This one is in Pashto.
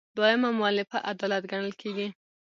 دویمه مولفه عدالت ګڼل کیږي.